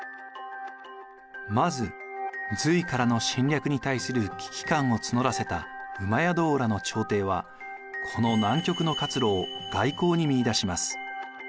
まず隋からの侵略に対する危機感を募らせた戸王らの朝廷はこの難局の活路を外交に見いだします。